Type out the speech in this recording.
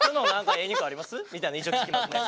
みたいなの一応聞きますね。